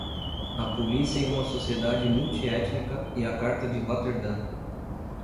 A polícia em uma sociedade multiétnica e a carta de Roterdã.